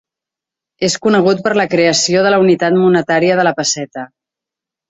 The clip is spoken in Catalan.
És conegut per la creació de la unitat monetària de la pesseta.